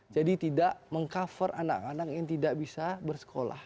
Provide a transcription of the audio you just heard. jadi tidak meng cover anak anak yang tidak bisa bersekolah